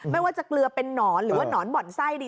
ไม่ว่าจะเกลือเป็นนอนหรือว่านอนบ่อนไส้ดี